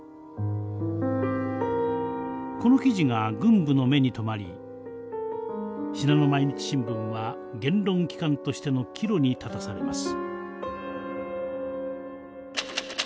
この記事が軍部の目に留まり信濃毎日新聞は言論機関としての岐路に立たされます。